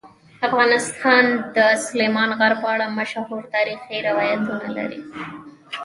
افغانستان د سلیمان غر په اړه مشهور تاریخی روایتونه لري.